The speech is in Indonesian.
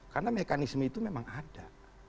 karena mekanisme itu memang ada